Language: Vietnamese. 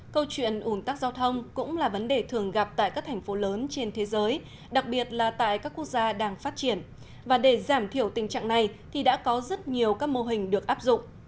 câu chuyện ủn tắc giao thông cũng là vấn đề thường gặp tại các thành phố lớn trên thế giới đặc biệt là tại các quốc gia đang phát triển và để giảm thiểu tình trạng này thì đã có rất nhiều các mô hình được áp dụng